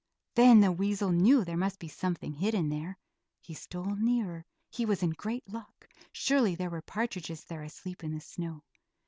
Then the weasel knew there must be something hidden there. He stole nearer. He was in great luck; surely there were partridges there asleep in the snow.